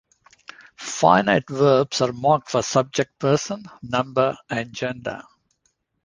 Finite verbs are marked for subject person, number, and gender.